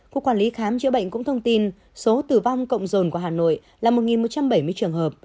cục quản lý khám chữa bệnh cũng thông tin số tử vong cộng rồn của hà nội là một một trăm bảy mươi trường hợp